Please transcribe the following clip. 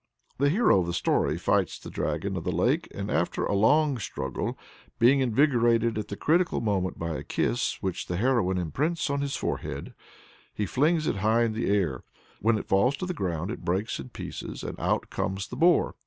The hero of the story fights the dragon of the lake, and after a long struggle, being invigorated at the critical moment by a kiss which the heroine imprints on his forehead he flings it high in the air. When it falls to the ground it breaks in pieces, and out comes the boar.